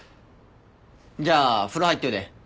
じゃあ風呂入っといで。